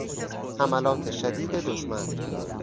حملات شدید دشمن